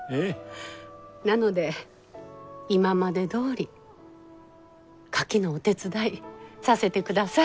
なので今までどおりカキのお手伝いさせてください。